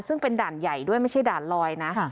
ซึ่งเป็นด่านใหญ่ด้วยไม่ใช่ด่านลอยนะ